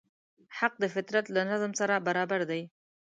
حق د فطرت له نظم سره برابر دی.